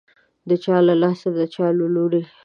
د چا له لاسه، د چا له لوري